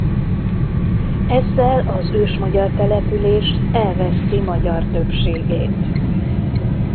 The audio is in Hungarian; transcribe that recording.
Ezzel az ősmagyar település elveszti magyar többségét.